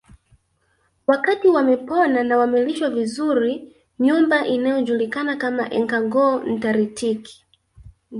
Wakati wamepona na wamelishwa vizuri nyumba inayojulikana kama Enkangoo Ntaritik